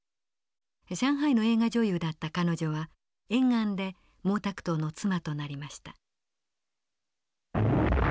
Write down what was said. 上海の映画女優だった彼女は延安で毛沢東の妻となりました。